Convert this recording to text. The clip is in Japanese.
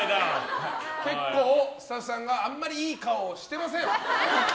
結構、スタッフさんがあんまりいい顔をしてません。